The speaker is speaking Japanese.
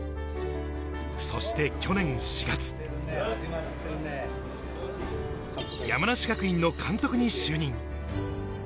そして去年４月、山梨学院の監督に就任。